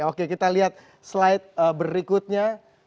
oke kita lihat slide berikutnya